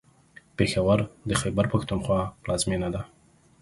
پېښور د خیبر پښتونخوا پلازمېنه ده.